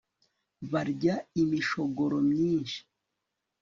barya imishogoro myinshi